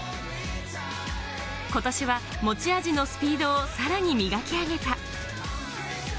今年は持ち味のスピードをさらに磨き上げた。